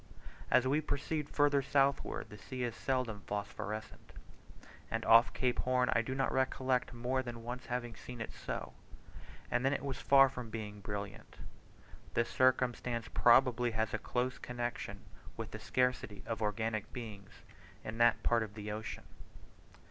As we proceed further southward the sea is seldom phosphorescent; and off Cape Horn I do not recollect more than once having seen it so, and then it was far from being brilliant. This circumstance probably has a close connection with the scarcity of organic beings in that part of the ocean.